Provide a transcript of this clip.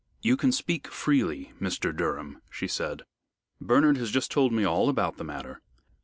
"You can speak freely, Mr. Durham," she said. "Bernard has just told me all about the matter."